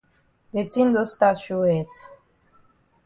De tin don stat show head.